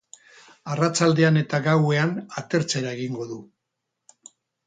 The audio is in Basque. Arratsaldean eta gauean atertzera egingo du.